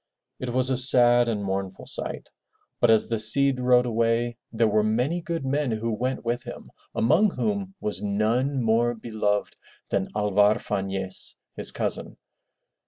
It was a sad and mournful sight. But as the Cid rode away there were many good men who went with him, among whom was none more beloved than Alvar Fanez, his cousin.